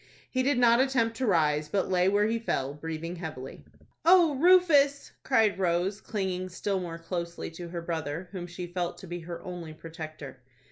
He did not attempt to rise, but lay where he fell, breathing heavily. "O Rufus!" cried Rose, clinging still more closely to her brother, whom she felt to be her only protector.